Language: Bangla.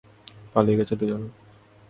পালিয়ে গেছে দুজনে।